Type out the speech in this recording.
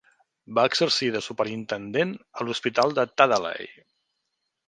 Va exercir de superintendent a l'Hospital de Tadalay.